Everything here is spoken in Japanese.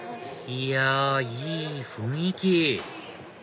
いやいい雰囲気